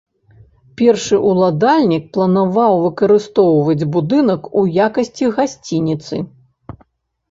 Першы ўладальнік планаваў выкарыстоўваць будынак у якасці гасцініцы.